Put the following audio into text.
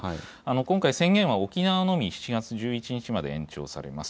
今回、宣言は沖縄のみ７月１１日まで延長されます。